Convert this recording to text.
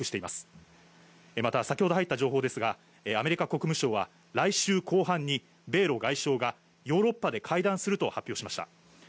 また先ほど入った情報ですが、アメリカ国務省は来週後半に米露外相がヨーロッパで会談すると発表しました。